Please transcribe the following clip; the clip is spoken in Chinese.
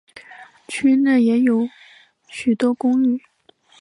区内也有许多公寓。